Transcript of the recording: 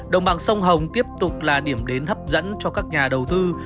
đồng bằng sông hồng tiếp tục là điểm đến hấp dẫn cho các nhà đầu tư